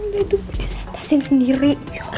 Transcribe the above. dia tuh bisa tesin sendiri